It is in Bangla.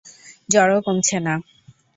জ্বরও কমছে না।